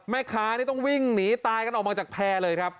แม่ค้านี่ต้องวิ่งหนีตายกันออกมาจากแพร่เลยครับ